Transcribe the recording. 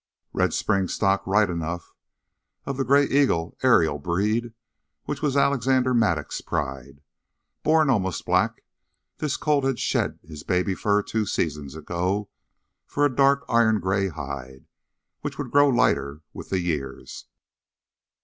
Red Springs' stock right enough, of the Gray Eagle Ariel breed, which was Alexander Mattock's pride. Born almost black, this colt had shed his baby fur two seasons ago for a dark iron gray hide which would grow lighter with the years.